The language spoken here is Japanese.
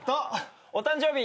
お誕生日。